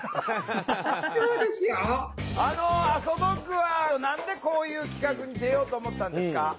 あそどっぐは何でこういう企画に出ようと思ったんですか？